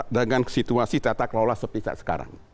dengan situasi tata kelola seperti saat sekarang